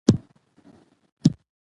که پاسپورټ ولرو نو پوله نه بندیږي.